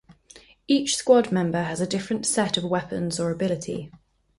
Each squad member has a different set of weapons or ability.